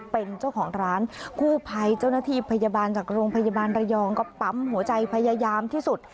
เป็นเจ้าของร้านกู้ภัยเจ้าหน้าที่พยาบาลจากโรงพยาบาลระยองก็ปั๊มหัวใจพยายามที่สุด